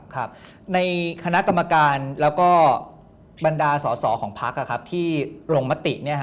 ครับในคณะกรรมการแล้วก็บรรดาสอสอของพักที่ลงมติ